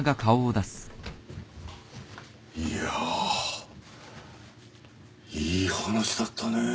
いやいい話だったね。